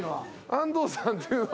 安藤さんっていうのは。